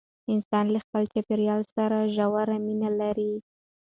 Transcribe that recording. انسان له خپل چاپیریال سره ژوره مینه لري.